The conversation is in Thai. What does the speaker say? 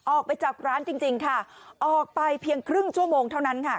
ออกไปจากร้านจริงจริงค่ะออกไปเพียงครึ่งชั่วโมงเท่านั้นค่ะ